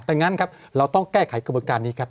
แต่งั้นครับเราต้องแก้ไขกระบวนการนี้ครับ